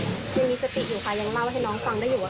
บอกหมัวให้พี่ด้วยเชื่อพระเปพท่าพี่หลับได้แล้ว